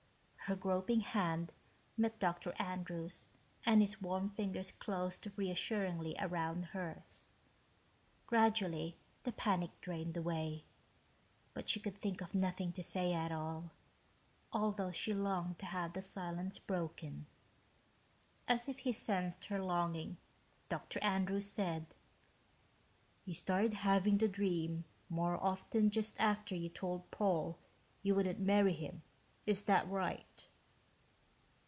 Her groping hand met Dr. Andrews' and his warm fingers closed reassuringly around hers. Gradually the panic drained away, but she could think of nothing to say at all, although she longed to have the silence broken. As if he sensed her longing, Dr. Andrews said, "You started having the dream more often just after you told Paul you wouldn't marry him, is that right?"